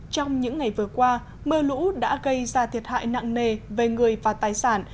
trong những ngày vừa qua mưa lũ đã gây ra thiệt hại nặng nề về người và tài sản